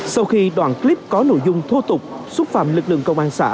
sau khi đoạn clip có nội dung thô tục xúc phạm lực lượng công an xã